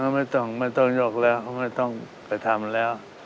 ไม่ต้องไม่ต้องยกแล้วเขาไม่ต้องไปทำแล้ว